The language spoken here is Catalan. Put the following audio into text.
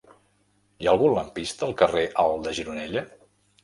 Hi ha algun lampista al carrer Alt de Gironella?